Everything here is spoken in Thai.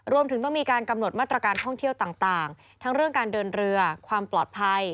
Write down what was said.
รวมถึงต้องมีการกำหนดมาตรการท่องเที่ยวต่างทั้งเรื่องการเดินเรือความปลอดภัย